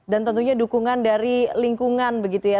dan tentunya dukungan dari lingkungan begitu ya